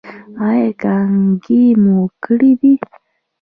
ایا کانګې مو کړي دي؟